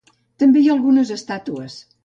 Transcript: També hi ha algunes estàtues.